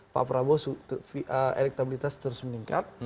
pak prabowo elektabilitas terus meningkat